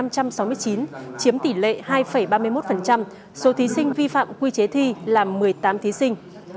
chiếm tỷ lệ hai ba mươi một số thí sinh vi phạm quy chế thi là một mươi tám thí sinh